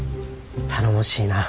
頼もしいな。